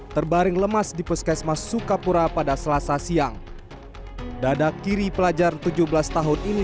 terbaring lemas di puskesmas sukapura pada selasa siang dada kiri pelajar tujuh belas tahun ini